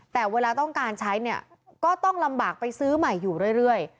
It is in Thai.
แต่เวลาต้องการใช้เนี่ยก็ต้องลำบากไปซื้อใหม่อยู่เรื่อย